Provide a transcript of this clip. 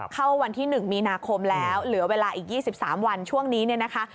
เข้าวันที่๑มีนาคมแล้วเหลือเวลาอีก๒๓วันช่วงนี้เนี่ยนะคะ